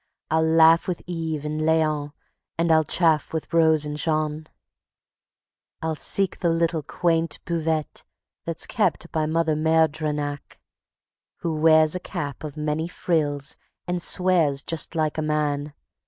I'll laugh with Yves and Léon, and I'll chaff with Rose and Jeanne; I'll seek the little, quaint buvette that's kept by Mother Merdrinaç Who wears a cap of many frills, and swears just like a man.